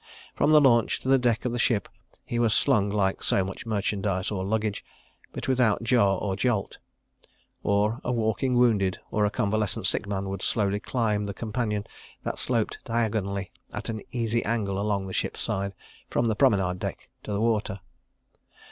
From the launch to the deck of the ship he was slung like so much merchandise or luggage, but without jar or jolt. Or a walking wounded or convalescent sick man would slowly climb the companion that sloped diagonally at an easy angle along the ship's side from the promenade deck to the water.